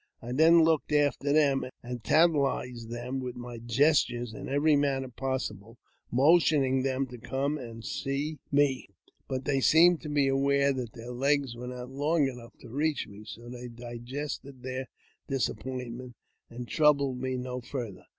I then looked after them, and tantalized them with my gestures in every manner possible, motioning them to come and see me ; but they seemed to be aware that their legs were not long enough to reach me, so they digested their disappoint ment, and troubled me no farther.